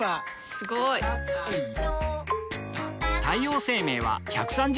すごい！太陽生命は１３０周年